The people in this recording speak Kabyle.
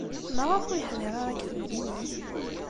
Maɣef ur yeḥdiṛ ara deg temlilit?